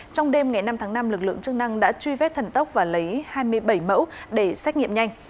trong đêm ngày năm tháng năm lực lượng chức năng đã truy vết thần tốc và lấy hai mươi bảy mẫu để xét nghiệm nhanh